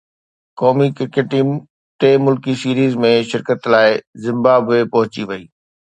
قومي cricket team ٽه ملڪي سيريز ۾ شرڪت لاءِ زمبابوي پهچي وئي